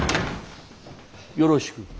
よろしく。